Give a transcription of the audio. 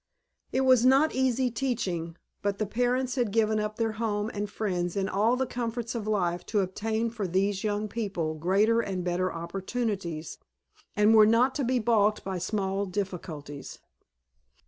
It was not easy teaching, but the parents had given up their home and friends and all the comforts of life to obtain for these young people greater and better opportunities, and were not to be balked by small difficulties.